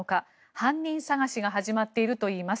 犯人探しが始まっているといいます。